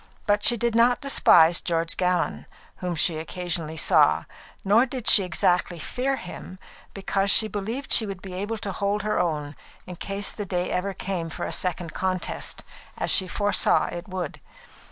But she did not despise George Gallon, whom she occasionally saw, nor did she exactly fear him, because she believed that she would be able to hold her own in case the day ever came for a second contest, as she foresaw it would.